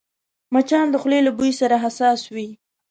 مچان د خولې له بوی سره حساس وي